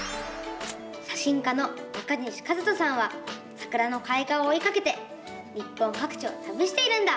写真家の中西一登さんはさくらのかい花をおいかけて日本かく地をたびしているんだ！